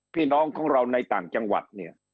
พี่น้องของเราในต่างจังหวัดเนี่ย